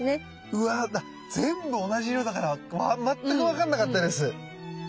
うわ全部同じ色だから全く分かんなかったです。